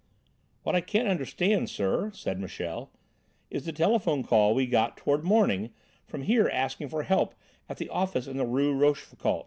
"What I can't understand, sir," said Michel, "is the telephone call we got toward morning from here asking for help at the office in the Rue Rochefoucauld.